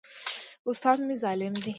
استاد مي ظالم دی.